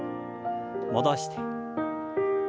戻して。